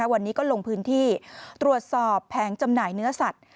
วันนี้ก็ลงพื้นที่ตรวจสอบแผงจำหน่ายเนื้อสัตว